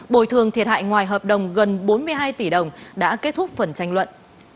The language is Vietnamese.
bồi thường thiệt hại ngoài hợp đồng gần bốn mươi hai tỷ đồng đã kết thúc phần tranh luận